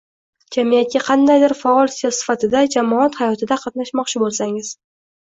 Jamiyatga qandaydir faol sifatida jamoat hayotida qatnashmoqchi bo‘lsangiz